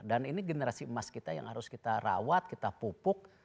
dan ini generasi emas kita yang harus kita rawat kita pupuk